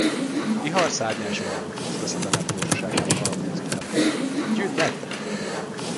Vihar szárnyán suhanó tűzveszedelem gyorsaságával harapódzott el a hír: Gyünnek!